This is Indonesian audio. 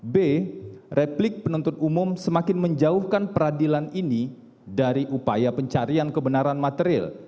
b replik penuntut umum semakin menjauhkan peradilan ini dari upaya pencarian kebenaran material